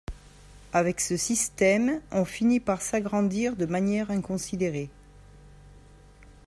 Avec ce système, on finit par s’agrandir de manière inconsidérée.